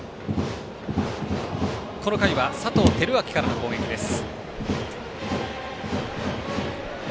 この回は佐藤輝明からの攻撃です。